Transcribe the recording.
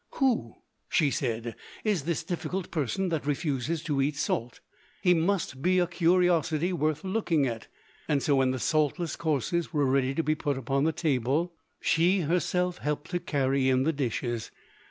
"Who," she said, "is this difficult person that refuses to eat salt? He must be a curiosity worth looking at." So when the saltless courses were ready to be set upon the table, she herself helped to carry in the dishes.